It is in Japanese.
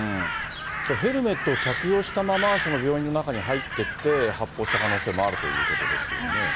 ヘルメットを着用したまま病院の中に入ってって、発砲した可能性もあるということですよね。